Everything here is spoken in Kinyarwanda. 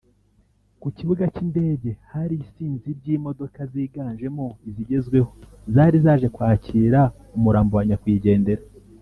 Ku kibuga cy’indege hari isinzi ry’imodoka ziganjemo izigezweho zari zaje kwakira umurambo wa nyakwigendera